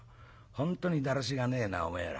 『本当にだらしがねえなおめえら。